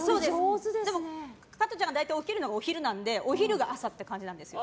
でも加トちゃんが大体起きるのがお昼なのでお昼が朝って感じなんですよ。